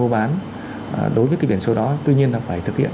bán đối với cái biển số đó tuy nhiên là phải thực hiện